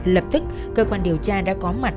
lập tức cơ quan điều tra đã có mặt